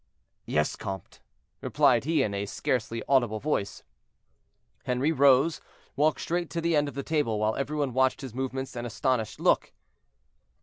"Yes, comte," replied he, in a scarcely audible voice. Henri rose, walked straight to the end of the table, while every one watched his movements and astonished look.